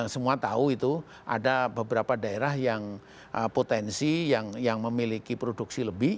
semua tahu itu ada beberapa daerah yang potensi yang memiliki produksi lebih